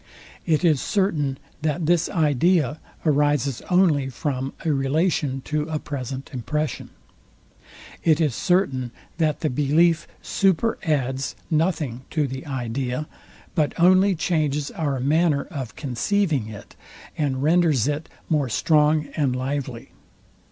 It is certain, that this idea arises only from a relation to a present impression. It is certain, that the belief super adds nothing to the idea, but only changes our manner of conceiving it, and renders it more strong and lively.